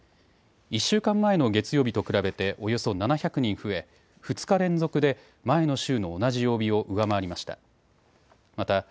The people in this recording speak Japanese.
１週間前の月曜日と比べておよそ７００人増え、２日連続で前の週の同じ曜日を上回りました。